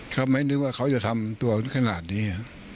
เขาไม่นึกว่าเขาจะทำตัวขนาดนี้